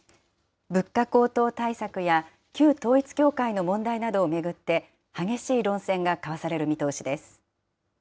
物価高騰対策や旧統一教会の問題などを巡って、激しい論戦が交わされる見通しです。